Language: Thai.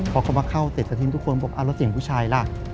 พอเค้ามาเข้าเสร็จจะทิ้งทุกคนบอกอ้าวแล้วเสียงผู้ชายล่ะ